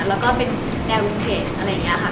แล้วก็เป็นแนวรุมเก่งอะไรอย่างนี้ค่ะ